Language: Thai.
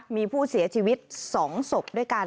มีผู้เสียชีวิต๒ศพด้วยกัน